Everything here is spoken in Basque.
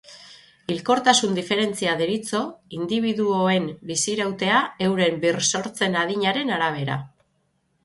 Hilkortasun diferentzia deritzo indibiduoen bizirautea euren birsortzen adinaren arabera.